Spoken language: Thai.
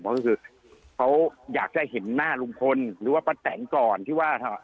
ก็คือเขาอยากจะเห็นหน้าลุงพลหรือว่าป้าแตนก่อนที่ว่า